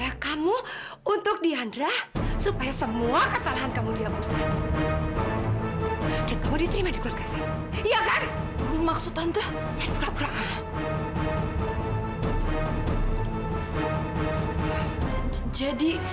akan diangkat sebagai saudaranya